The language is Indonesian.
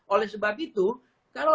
oleh sebab itu